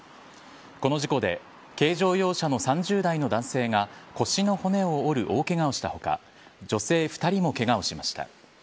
この事故で軽乗用車の３０代の男性が腰の骨を折る大ケガをした他女性２人もケガをしました。